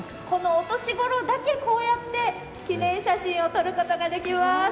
このお年頃だけ、こうやって記念写真を撮ることができます。